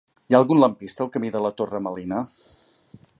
Hi ha algun lampista al camí de la Torre Melina?